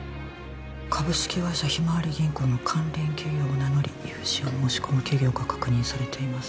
「「株式会社ひまわり銀行」の関連企業を名乗り」「融資を申し込む企業が確認されています」